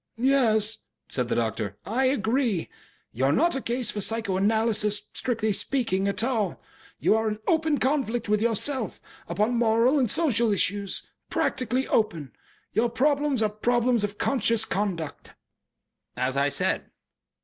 "Yes," said the doctor. "I agree. You are not a case for psychoanalysis, strictly speaking, at all. You are in open conflict with yourself, upon moral and social issues. Practically open. Your problems are problems of conscious conduct." "As I said."